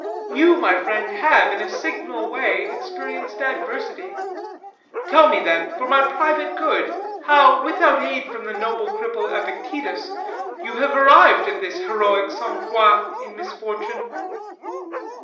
You, my friend, have, in a signal way, experienced adversity. Tell me, then, for my private good, how, without aid from the noble cripple, Epictetus, you have arrived at his heroic sang froid in misfortune."